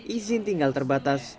izin tinggal terbatas